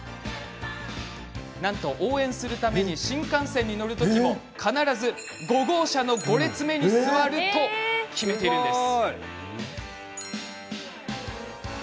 応援するため、新幹線に乗る時も必ず５号車の５列目に座ると決めているんです。